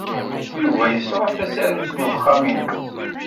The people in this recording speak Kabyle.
Yuba yesṛuḥ tasarut n wexxam-nnes.